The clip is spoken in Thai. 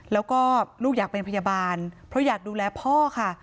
แล้วก็ลูกอยากเป็นพยาบาลเพราะอยากดูแลพ่อค่ะ